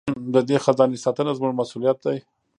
د دې خزانې ساتنه زموږ مسوولیت دی.